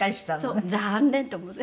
そう「残念！」と思って。